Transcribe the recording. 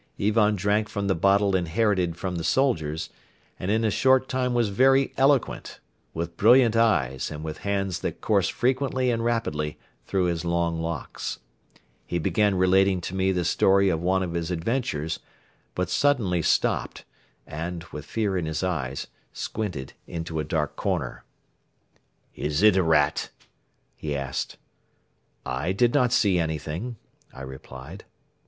Ivan drank from the bottle inherited from the soldiers and in a short time was very eloquent, with brilliant eyes and with hands that coursed frequently and rapidly through his long locks. He began relating to me the story of one of his adventures, but suddenly stopped and, with fear in his eyes, squinted into a dark corner. "Is it a rat?" he asked. "I did not see anything," I replied.